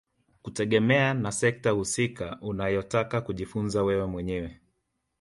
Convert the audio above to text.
Kutegemea na sekta husika unayotaka kujifunza wewe mwenyewe